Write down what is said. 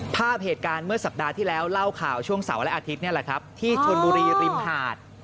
ภาพเหตุการณ์เมื่อสัปดาห์ที่แล้วเล่าข่าวช่วงเสาร์และอาทิตย์นี่แหละครับที่ชนบุรีริมหาด